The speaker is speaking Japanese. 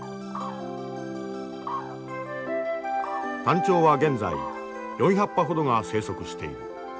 タンチョウは現在４００羽ほどが生息している。